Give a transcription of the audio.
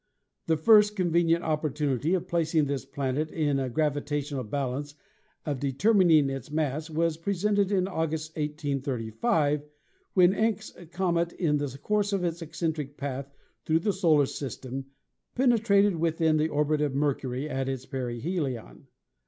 The first convenient opportunity of placing this planet in a gravitational balance and of de termining its mass was presented in August, 1835, when Encke's comet in the course of its eccentric path through the solar system penetrated within the orbit of Mercury at its perihelion.